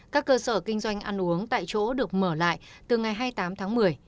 các cơ sở kinh doanh ăn uống tại chỗ được mở lại từ ngày hai mươi tám tháng một mươi